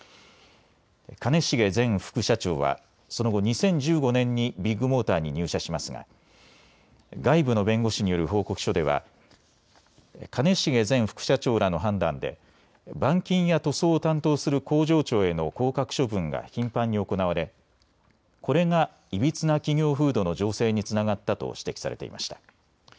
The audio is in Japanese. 兼重前副社長はその後２０１５年にビッグモーターに入社しますが外部の弁護士による報告書では兼重前副社長らの判断で板金や塗装を担当する工場長への降格処分が頻繁に行われこれがいびつな企業風土の醸成につながったと指摘されていました。